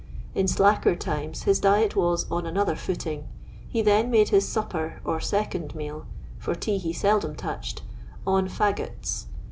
In skcker times his diet waa on another footing. He then made his supper, ^ second meal, for tea he seldom touchec^ an *iu[ots."